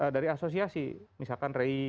dari asosiasi misalkan rei